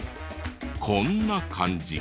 こんな感じ。